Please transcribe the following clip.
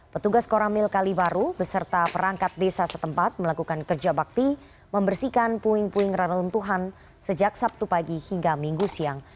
petugas koramil kalibaru beserta perangkat desa setempat melakukan kerja bakti membersihkan puing puing ranuntuhan sejak sabtu pagi hingga minggu siang